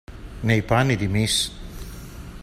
Nei panni di Ms.